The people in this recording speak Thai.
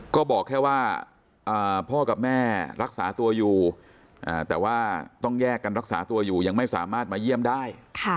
ก็บอกแค่ว่าพ่อกับแม่รักษาตัวอยู่แต่ว่าต้องแยกกันรักษาตัวอยู่ยังไม่สามารถมาเยี่ยมได้